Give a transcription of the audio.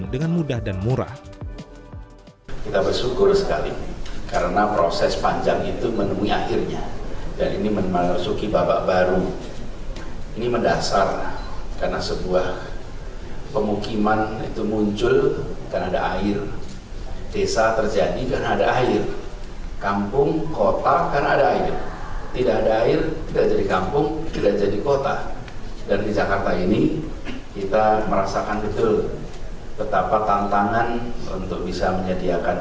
dari kota dan di jakarta ini kita merasakan betul betapa tantangan untuk bisa menyediakan